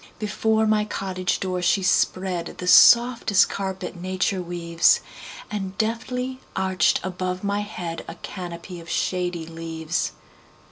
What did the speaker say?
Before my cottage door she spreadThe softest carpet nature weaves, And deftly arched above my headA canopy of shady leaves.